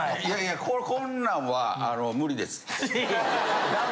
いやいやこんなんは無理です。